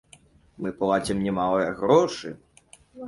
Мы плацім немалыя грошы.